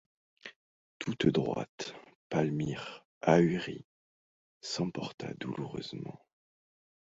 Toute droite, Palmyre, ahurie, s’emporta douloureusement.